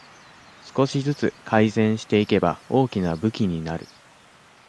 少しずつ改善していけば大きな武器になる